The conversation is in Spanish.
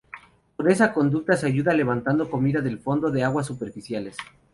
Con esa conducta se ayuda levantando comida del fondo de aguas superficiales.